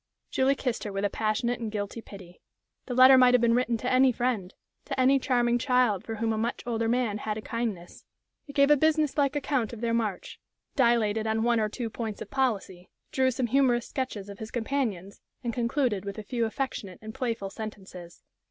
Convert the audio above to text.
Julie kissed her with a passionate and guilty pity. The letter might have been written to any friend, to any charming child for whom a much older man had a kindness. It gave a business like account of their march, dilated on one or two points of policy, drew some humorous sketches of his companions, and concluded with a few affectionate and playful sentences.